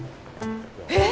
えっ！？